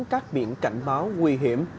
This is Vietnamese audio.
các biện cảnh báo nguy hiểm